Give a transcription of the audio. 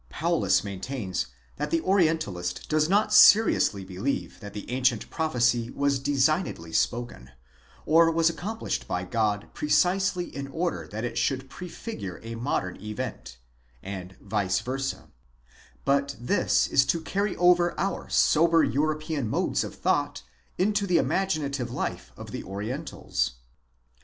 Paulus maintains that the Orientalist does not seriously believe that the ancient prophecy was designedly spoken, or was accomplished by God, precisely in order that it should pre figure a modern event, and vice versa; but this is to carry over our sober European modes of thought into the imaginative life of the Orientals.